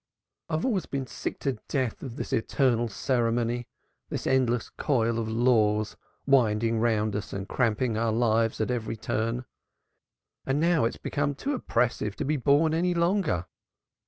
"I have always been sick to death of this eternal ceremony, this endless coil of laws winding round us and cramping our lives at every turn; and now it has become too oppressive to be borne any longer.